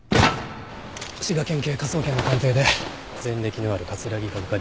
滋賀県警科捜研の鑑定で前歴のある木が浮かび